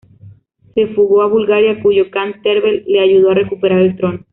Se fugó a Bulgaria, cuyo kan, Tervel, le ayudó a recuperar el trono.